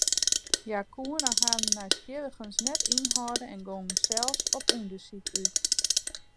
Hja koene harren nijsgjirrigens net ynhâlde en gongen sels op ûndersyk út.